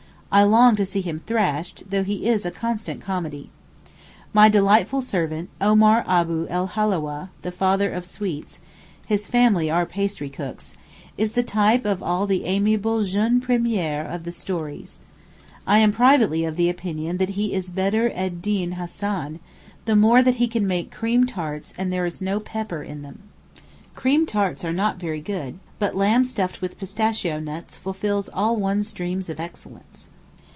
I long to see him thrashed, though he is a constant comedy. My delightful servant, Omar Abou el Halláweh (the father of sweets)—his family are pastrycooks—is the type of all the amiable jeune premiers of the stories. I am privately of opinion that he is Bedr ed Deen Hassan, the more that he can make cream tarts and there is no pepper in them. Cream tarts are not very good, but lamb stuffed with pistachio nuts fulfils all one's dreams of excellence.